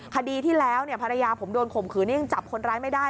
คดีที่แล้วเนี่ยภรรยาผมโดนข่มขืนนี้ยังจับคนร้ายไม่ได้